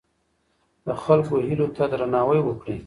د خلکو هیلو ته درناوی وکړئ.